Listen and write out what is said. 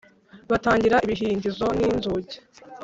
Batagira ibihindizo n inzugi